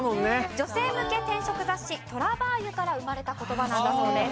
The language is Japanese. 女性向け転職雑誌『とらばーゆ』から生まれた言葉なんだそうです。